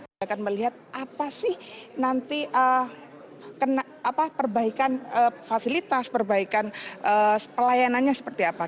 kita akan melihat apa sih nanti perbaikan fasilitas perbaikan pelayanannya seperti apa